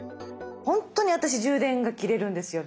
本当に私充電が切れるんですよ